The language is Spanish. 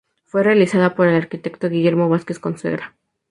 Fue realizada por el arquitecto Guillermo Vázquez Consuegra.